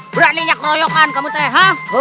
berani nyakroyokkan kamu teh